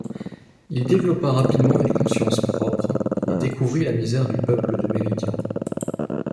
Il développa rapidement une conscience propre et découvrit la misère du peuple de Méridian.